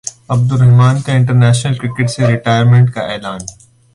عبدالرحمن کا international cricket سے retirement کا اعلان